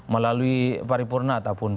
melalui paripurna ataupun